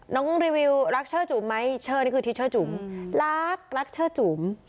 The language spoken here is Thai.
น้องรีวิวรักเชื่อจุ๋มไหมเชื่อนี่คือทิชเชื่อจุ๋มรักรักเชื่อจุ๋ม